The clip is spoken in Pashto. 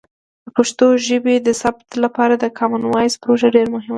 د پښتو ژبې د ثبت لپاره د کامن وایس پروژه ډیر مهمه ده.